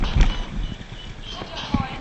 موږ د پوهنتون له اصولو خبر نه وو.